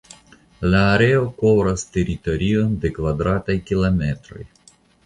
La areo kovras teritorion de kvadrataj kilometroj.